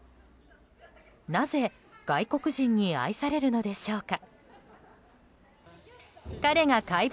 なぜ外国人に愛されるのでしょうか。